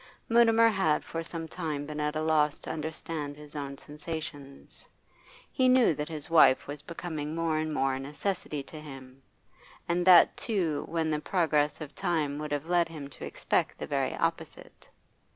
Mutimer had for some time been at a loss to understand his own sensations; he knew that his wife was becoming more and more a necessity to him, and that too when the progress of time would have led him to expect the very opposite.